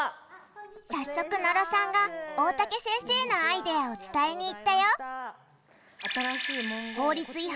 早速野呂さんが大竹先生のアイデアを伝えに行ったよ